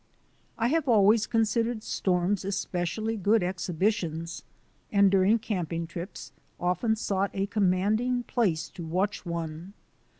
I have always considered storms especially good exhibitions, and during camping trips often sought a commanding place to watch one.